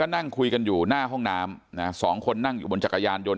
นั่งคุยกันอยู่หน้าห้องน้ำสองคนนั่งอยู่บนจักรยานยนต